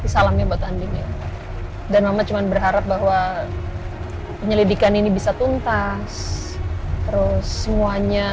salamnya buat andi dan cuma berharap bahwa penyelidikan ini bisa tuntas terus semuanya